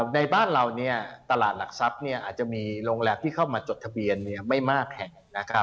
ในบ้านเราตลาดหลักทรัพย์อาจจะมีโรงแรมที่เข้ามาจดทะเบียนไม่มากแห่ง